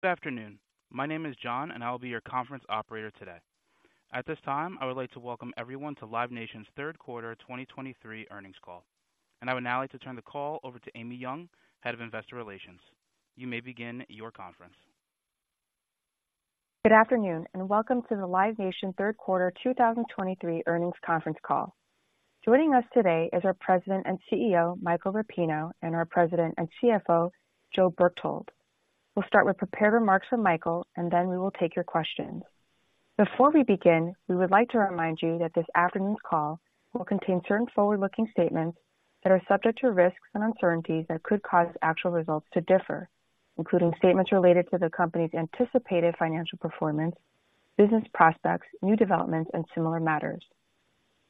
Good afternoon. My name is John, and I will be your conference operator today. At this time, I would like to welcome everyone to Live Nation's third quarter 2023 earnings call. I would now like to turn the call over to Amy Yong, Head of Investor Relations. You may begin your conference. Good afternoon, and welcome to the Live Nation third quarter 2023 earnings conference call. Joining us today is our President and CEO, Michael Rapino, and our President and CFO, Joe Berchtold. We'll start with prepared remarks from Michael, and then we will take your questions. Before we begin, we would like to remind you that this afternoon's call will contain certain forward-looking statements that are subject to risks and uncertainties that could cause actual results to differ, including statements related to the company's anticipated financial performance, business prospects, new developments, and similar matters.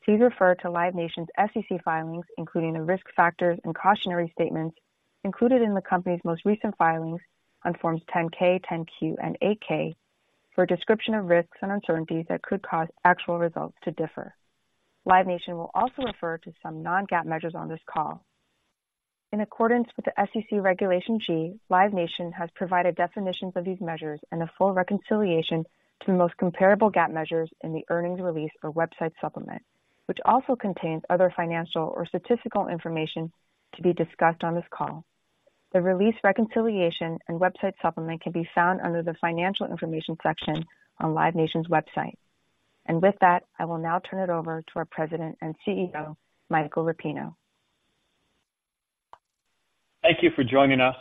Please refer to Live Nation's SEC filings, including the risk factors and cautionary statements included in the company's most recent filings on Forms 10-K, 10-Q, and 8-K for a description of risks and uncertainties that could cause actual results to differ. Live Nation will also refer to some non-GAAP measures on this call. In accordance with the SEC Regulation G, Live Nation has provided definitions of these measures and a full reconciliation to the most comparable GAAP measures in the earnings release or website supplement, which also contains other financial or statistical information to be discussed on this call. The release, reconciliation, and website supplement can be found under the Financial Information section on Live Nation's website. With that, I will now turn it over to our President and CEO, Michael Rapino. Thank you for joining us.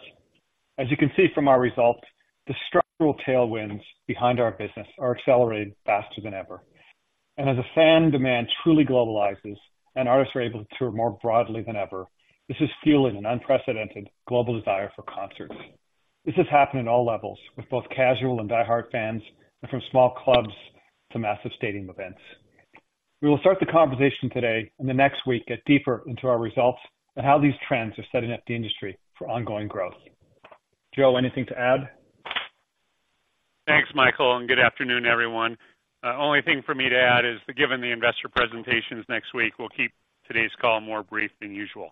As you can see from our results, the structural tailwinds behind our business are accelerating faster than ever. As the fan demand truly globalizes and artists are able to tour more broadly than ever, this is fueling an unprecedented global desire for concerts. This is happening at all levels, with both casual and diehard fans, and from small clubs to massive stadium events. We will start the conversation today and the next week, get deeper into our results and how these trends are setting up the industry for ongoing growth. Joe, anything to add? Thanks, Michael, and good afternoon, everyone. Only thing for me to add is, given the investor presentations next week, we'll keep today's call more brief than usual.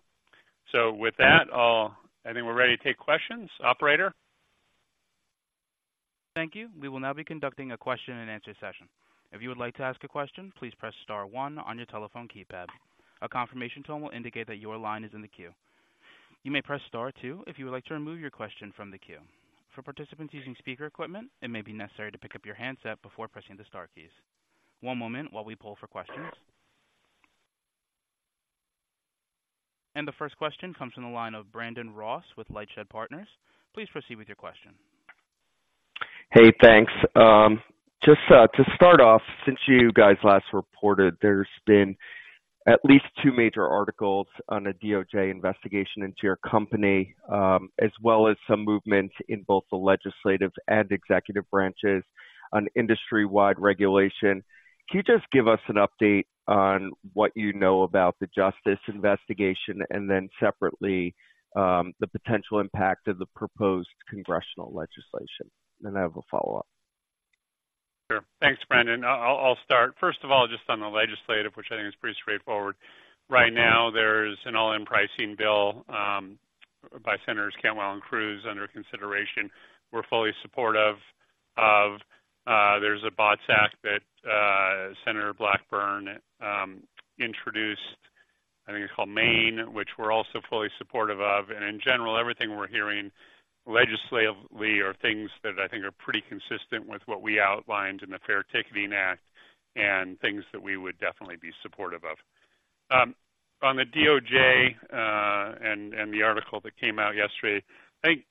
With that, I think we're ready to take questions. Operator? Thank you. We will now be conducting a question-and-answer session. If you would like to ask a question, please press star one on your telephone keypad. A confirmation tone will indicate that your line is in the queue. You may press star two if you would like to remove your question from the queue. For participants using speaker equipment, it may be necessary to pick up your handset before pressing the star keys. One moment while we poll for questions. The first question comes from the line of Brandon Ross with LightShed Partners. Please proceed with your question. Hey, thanks. Just, to start off, since you guys last reported, there's been at least two major articles on a DOJ investigation into your company, as well as some movement in both the legislative and executive branches on industry-wide regulation. Can you just give us an update on what you know about the Justice investigation and then separately, the potential impact of the proposed congressional legislation? And then I have a follow-up. Sure. Thanks, Brandon. I'll start. First of all, just on the legislative, which I think is pretty straightforward. Right now, there's an all-in pricing bill by Senators Cantwell and Cruz under consideration. We're fully supportive of. There's a BOTS Act that Senator Blackburn introduced, I think it's called MAIN, which we're also fully supportive of. And in general, everything we're hearing legislatively are things that I think are pretty consistent with what we outlined in the Fair Ticketing Act and things that we would definitely be supportive of. On the DOJ and the article that came out yesterday, I think,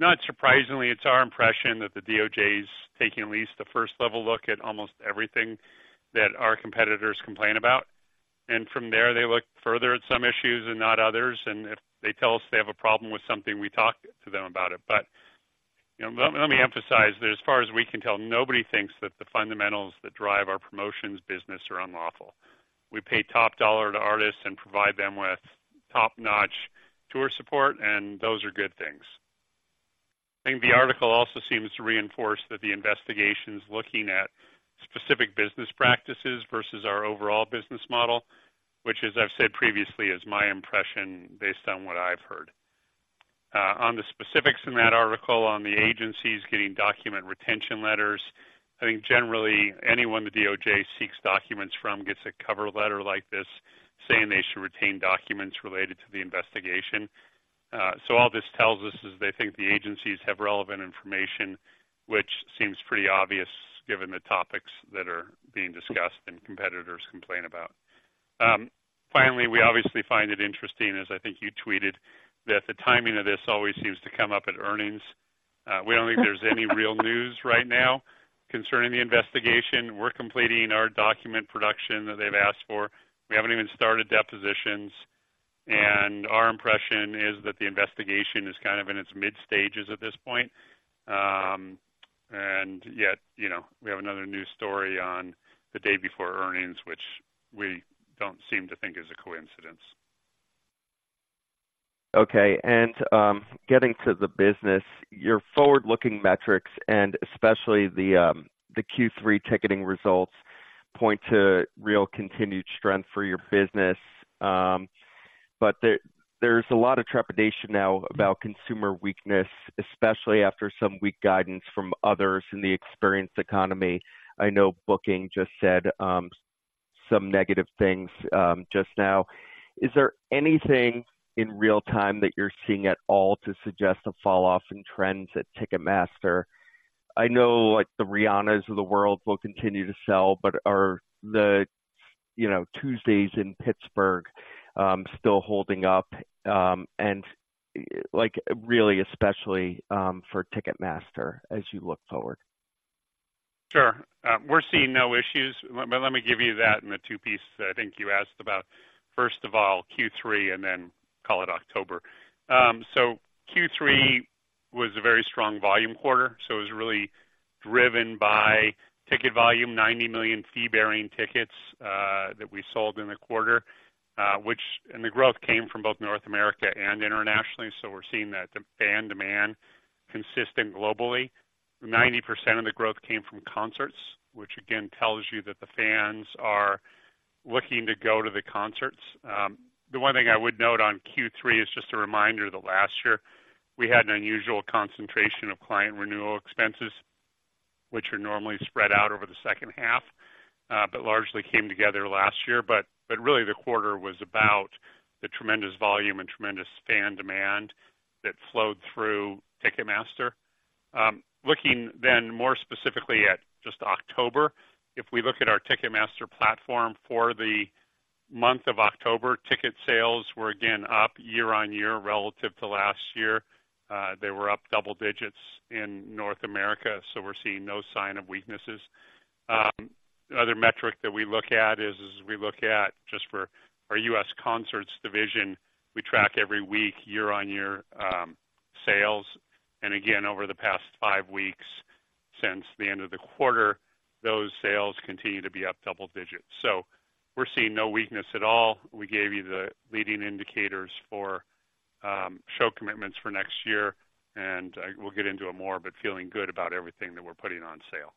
not surprisingly, it's our impression that the DOJ is taking at least a first-level look at almost everything that our competitors complain about. And from there, they look further at some issues and not others, and if they tell us they have a problem with something, we talk to them about it. But, you know, let me emphasize that as far as we can tell, nobody thinks that the fundamentals that drive our promotions business are unlawful. We pay top dollar to artists and provide them with top-notch tour support, and those are good things. I think the article also seems to reinforce that the investigation is looking at specific business practices versus our overall business model, which, as I've said previously, is my impression based on what I've heard. On the specifics in that article, on the agencies getting document retention letters, I think generally anyone the DOJ seeks documents from gets a cover letter like this saying they should retain documents related to the investigation. So all this tells us is they think the agencies have relevant information, which seems pretty obvious given the topics that are being discussed and competitors complain about. Finally, we obviously find it interesting, as I think you tweeted, that the timing of this always seems to come up at earnings. We don't think there's any real news right now concerning the investigation. We're completing our document production that they've asked for. We haven't even started depositions, and our impression is that the investigation is kind of in its mid stages at this point. And yet, you know, we have another news story on the day before earnings, which we don't seem to think is a coincidence. Okay. Getting to the business, your forward-looking metrics and especially the Q3 ticketing results point to real continued strength for your business. But there's a lot of trepidation now about consumer weakness, especially after some weak guidance from others in the experience economy. I know Booking just said some negative things just now. Is there anything in real time that you're seeing at all to suggest a falloff in trends at Ticketmaster? I know, like, the Rihannas of the world will continue to sell, but are the, you know, Tuesdays in Pittsburgh still holding up? And, like, really, especially for Ticketmaster as you look forward. Sure. We're seeing no issues. But let me give you that in the two pieces I think you asked about. First of all, Q3, and then call it October. So Q3 was a very strong volume quarter, so it was really driven by ticket volume, 90 million fee-bearing tickets that we sold in the quarter, which, and the growth came from both North America and internationally. So we're seeing that the fan demand consistent globally. 90% of the growth came from concerts, which again, tells you that the fans are looking to go to the concerts. The one thing I would note on Q3 is just a reminder that last year we had an unusual concentration of client renewal expenses, which are normally spread out over the second half, but largely came together last year. But really, the quarter was about the tremendous volume and tremendous fan demand that flowed through Ticketmaster. Looking then more specifically at just October, if we look at our Ticketmaster platform for the month of October, ticket sales were again up year-over-year relative to last year. They were up double digits in North America, so we're seeing no sign of weaknesses. The other metric that we look at is we look at just for our U.S. concerts division, we track every week, year-over-year, sales. And again, over the past five weeks since the end of the quarter, those sales continue to be up double digits. So we're seeing no weakness at all. We gave you the leading indicators for show commitments for next year, and we'll get into it more, but feeling good about everything that we're putting on sale.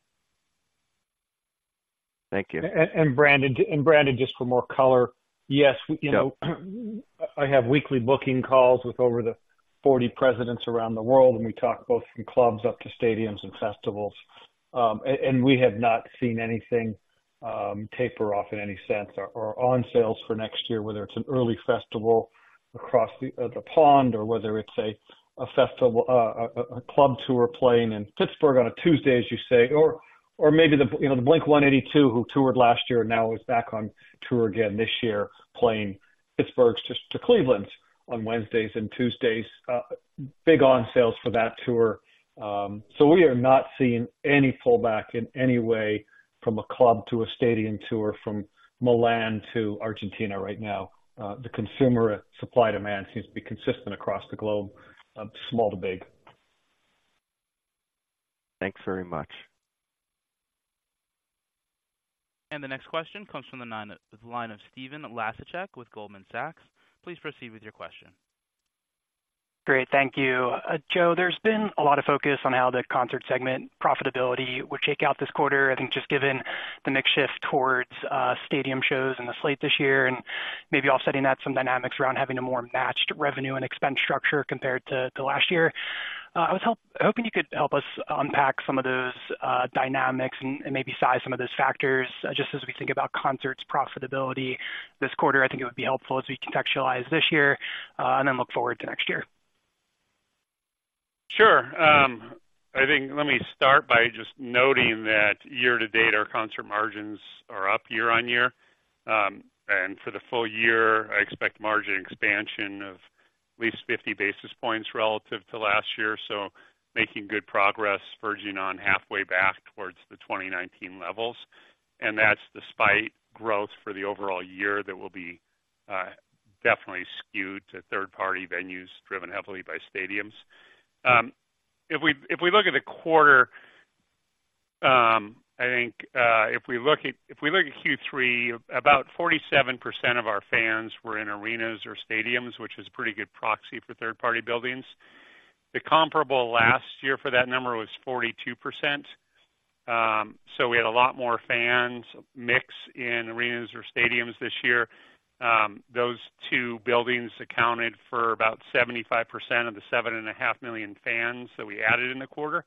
Thank you. And Brandon, and Brandon, just for more color. Yes, you know, I have weekly booking calls with over the 40 presidents around the world, and we talk both from clubs up to stadiums and festivals. And we have not seen anything taper off in any sense or on sales for next year, whether it's an early festival across the, the pond, or whether it's a festival, a club tour playing in Pittsburgh on a Tuesday, as you say, or, or maybe the, you know, the Blink-182, who toured last year and now is back on tour again this year, playing Pittsburgh to Cleveland on Wednesdays and Tuesdays. Big on sales for that tour. So we are not seeing any pullback in any way from a club to a stadium tour, from Milan to Argentina right now. The consumer supply-demand seems to be consistent across the globe, small to big. Thanks very much. The next question comes from the line of Stephen Laszczyk with Goldman Sachs. Please proceed with your question. Great, thank you. Joe, there's been a lot of focus on how the concert segment profitability would shake out this quarter. I think just given the mix shift towards, stadium shows and the slate this year, and maybe offsetting that, some dynamics around having a more matched revenue and expense structure compared to, last year. I was hoping you could help us unpack some of those, dynamics and, maybe size some of those factors. Just as we think about concerts' profitability this quarter, I think it would be helpful as we contextualize this year, and then look forward to next year. Sure. I think let me start by just noting that year to date, our concert margins are up year-over-year. And for the full year, I expect margin expansion of at least 50 basis points relative to last year. So making good progress, verging on halfway back towards the 2019 levels. And that's despite growth for the overall year, that will be definitely skewed to third-party venues, driven heavily by stadiums. If we look at Q3, about 47% of our fans were in arenas or stadiums, which is a pretty good proxy for third-party buildings. The comparable last year for that number was 42%. So we had a lot more fans mix in arenas or stadiums this year. Those two buildings accounted for about 75% of the 7.5 million fans that we added in the quarter.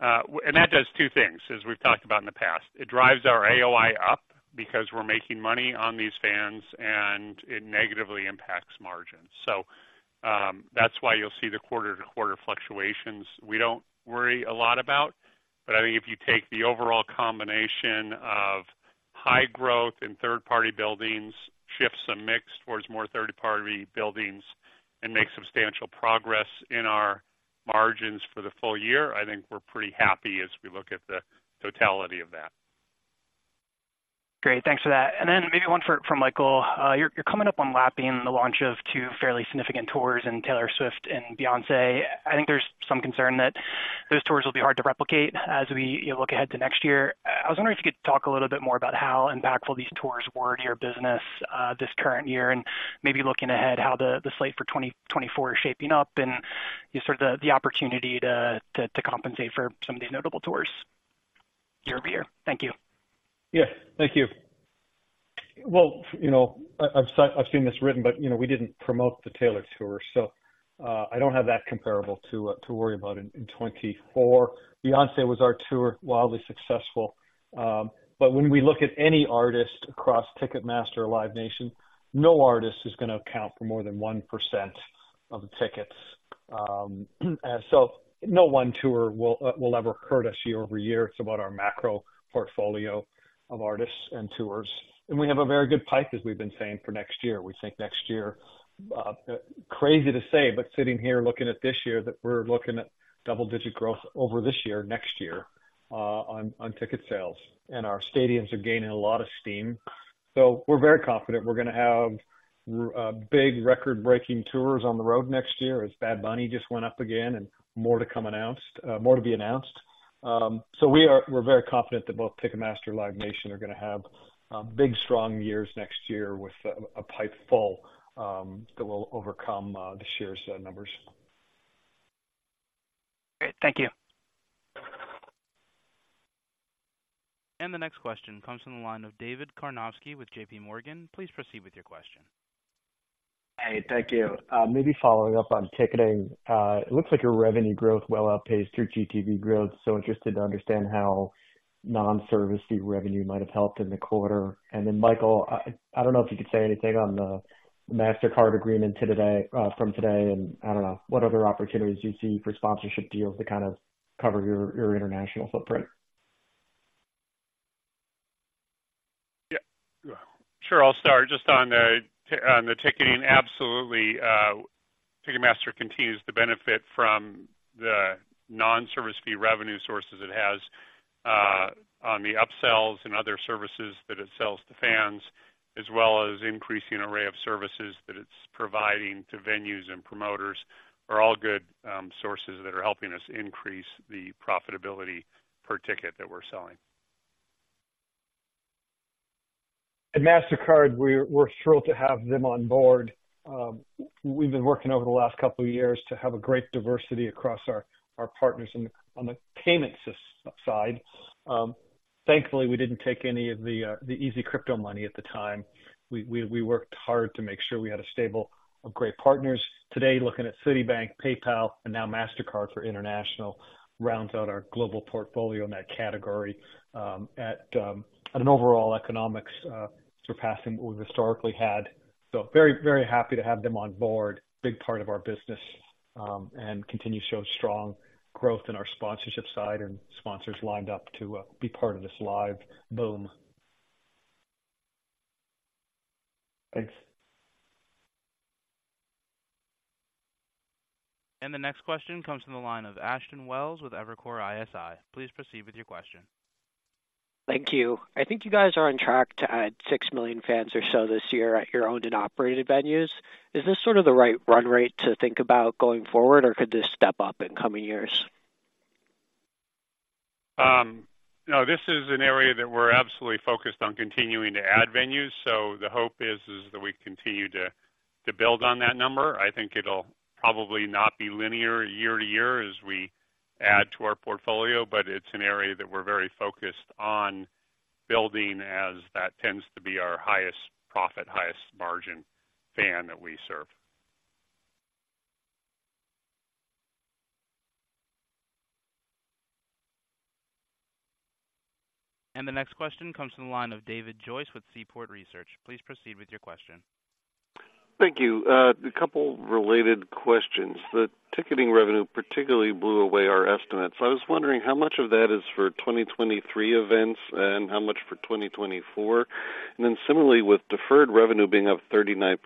And that does two things, as we've talked about in the past. It drives our AOI up because we're making money on these fans, and it negatively impacts margins. So, that's why you'll see the quarter-to-quarter fluctuations. We don't worry a lot about, but I think if you take the overall combination of high growth in third-party buildings, shift some mix towards more third-party buildings and make substantial progress in our margins for the full year, I think we're pretty happy as we look at the totality of that. Great. Thanks for that. And then maybe one for Michael. You're coming up on lapping the launch of two fairly significant tours in Taylor Swift and Beyoncé. I think there's some concern that those tours will be hard to replicate as we, you know, look ahead to next year. I was wondering if you could talk a little bit more about how impactful these tours were to your business, this current year, and maybe looking ahead, how the slate for 2024 is shaping up and just sort of the opportunity to compensate for some of these notable tours.... year-over-year. Thank you. Yeah, thank you. Well, you know, I've seen this written, but, you know, we didn't promote the Taylor tour, so, I don't have that comparable to, to worry about in, in 2024. Beyoncé was our tour, wildly successful. But when we look at any artist across Ticketmaster or Live Nation, no artist is gonna account for more than 1% of the tickets. And so no one tour will ever hurt us year-over-year. It's about our macro portfolio of artists and tours. And we have a very good pipe, as we've been saying, for next year. We think next year, crazy to say, but sitting here looking at this year, that we're looking at double-digit growth over this year, next year, on ticket sales, and our stadiums are gaining a lot of steam. So we're very confident we're gonna have big record-breaking tours on the road next year, as Bad Bunny just went up again, and more to come announced, more to be announced. So we're very confident that both Ticketmaster and Live Nation are gonna have big, strong years next year with a pipe full that will overcome the sheer numbers. Great. Thank you. The next question comes from the line of David Karnovsky with J.P. Morgan. Please proceed with your question. Hey, thank you. Maybe following up on ticketing. It looks like your revenue growth well outpaced your GTV growth, so interested to understand how non-service fee revenue might have helped in the quarter. And then, Michael, I, I don't know if you could say anything on the Mastercard agreement today, from today, and I don't know what other opportunities you see for sponsorship deals to kind of cover your, your international footprint? Yeah. Sure. I'll start just on the ticketing. Absolutely, Ticketmaster continues to benefit from the non-service fee revenue sources it has, on the upsells and other services that it sells to fans, as well as increasing array of services that it's providing to venues and promoters, are all good, sources that are helping us increase the profitability per ticket that we're selling. At Mastercard, we're thrilled to have them on board. We've been working over the last couple of years to have a great diversity across our partners on the payment system side. Thankfully, we didn't take any of the easy crypto money at the time. We worked hard to make sure we had a stable of great partners. Today, looking at Citibank, PayPal, and now Mastercard for international, rounds out our global portfolio in that category, at an overall economics surpassing what we've historically had. So very, very happy to have them on board. Big part of our business, and continue to show strong growth in our sponsorship side and sponsors lined up to be part of this live boom. Thanks. The next question comes from the line of Ashton Welles with Evercore ISI. Please proceed with your question. Thank you. I think you guys are on track to add 6 million fans or so this year at your owned and operated venues. Is this sort of the right run rate to think about going forward, or could this step up in coming years? No, this is an area that we're absolutely focused on continuing to add venues, so the hope is that we continue to build on that number. I think it'll probably not be linear year to year as we add to our portfolio, but it's an area that we're very focused on building, as that tends to be our highest profit, highest margin fan that we serve. The next question comes from the line of David Joyce with Seaport Research. Please proceed with your question. Thank you. A couple related questions. The ticketing revenue particularly blew away our estimates. I was wondering how much of that is for 2023 events and how much for 2024? And then similarly, with deferred revenue being up 39%,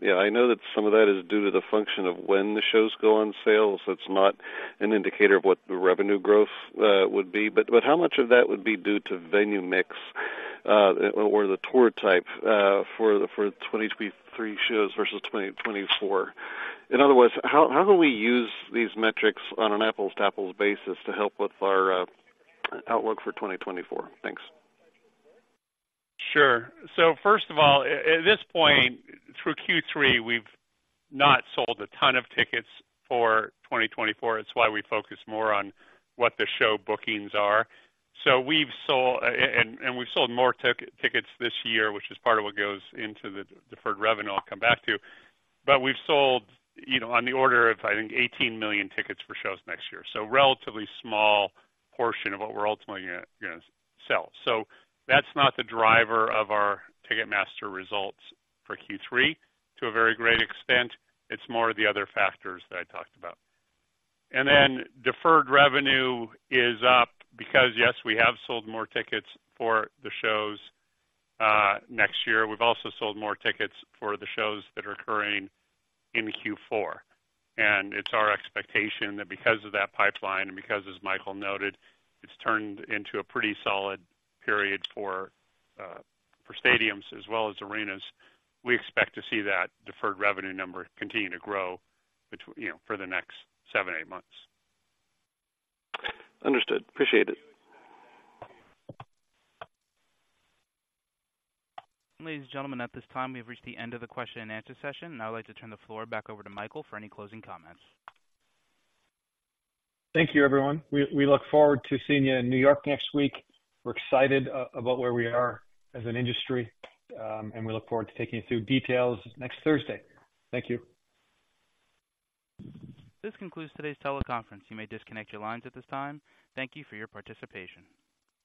yeah, I know that some of that is due to the function of when the shows go on sale, so it's not an indicator of what the revenue growth would be. But how much of that would be due to venue mix or the tour type for the 2023 shows versus 2024? In other words, how do we use these metrics on an apples-to-apples basis to help with our outlook for 2024? Thanks. Sure. So first of all, at this point, through Q3, we've not sold a ton of tickets for 2024. It's why we focus more on what the show bookings are. So we've sold and we've sold more tickets this year, which is part of what goes into the deferred revenue I'll come back to, but we've sold, you know, on the order of, I think, 18 million tickets for shows next year, so relatively small portion of what we're ultimately gonna sell. So that's not the driver of our Ticketmaster results for Q3 to a very great extent. It's more of the other factors that I talked about. And then, deferred revenue is up because, yes, we have sold more tickets for the shows next year. We've also sold more tickets for the shows that are occurring in Q4. It's our expectation that because of that pipeline and because, as Michael noted, it's turned into a pretty solid period for stadiums as well as arenas, we expect to see that Deferred Revenue number continue to grow, you know, for the next seven, eight months. Understood. Appreciate it. Ladies and gentlemen, at this time, we've reached the end of the question and answer session, and I'd like to turn the floor back over to Michael for any closing comments. Thank you, everyone. We look forward to seeing you in New York next week. We're excited about where we are as an industry, and we look forward to taking you through details next Thursday. Thank you. This concludes today's teleconference. You may disconnect your lines at this time. Thank you for your participation.